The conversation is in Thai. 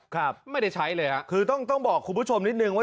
ครับไม่ได้ใช้เลยฮะคือต้องบอกคุณผู้ชมนิดนึงว่า